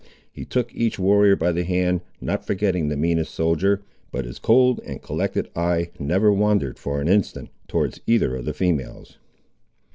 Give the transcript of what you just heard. He took each warrior by the hand, not forgetting the meanest soldier, but his cold and collected eye never wandered, for an instant, towards either of the females.